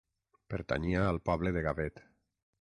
Pertanyia al poble de Gavet.